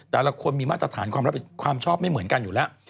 แต่เราควรมีมาตรฐานความชอบไม่เหมือนกันอยู่แล้ว